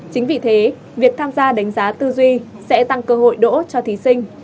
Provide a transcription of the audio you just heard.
chính vì thế việc tham gia đánh giá tư duy sẽ tăng cơ hội đỗ cho thí sinh